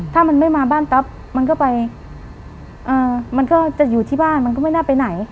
ถ้ามันไม่มาบ้านปั๊บมันก็ไปมันก็จะอยู่ที่บ้านมันก็ไม่น่าไปไหน